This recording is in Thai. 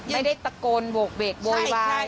ไม่ได้ตะโกนโบกเบกโบยวายอะไรเลย